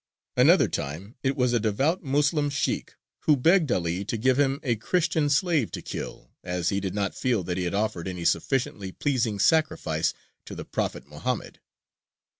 Another time it was a devout Moslem sheykh who begged 'Ali to give him a Christian slave to kill, as he did not feel that he had offered any sufficiently pleasing sacrifice to the prophet Mohammed.